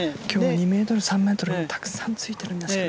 今日も２ｍ、３ｍたくさんついているね。